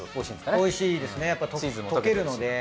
おいしいですねやっぱ溶けるので。